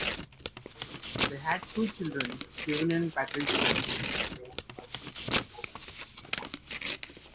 They had two children, Kevin and Patricia.